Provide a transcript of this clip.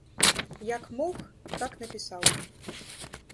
Як мог, так напісаў.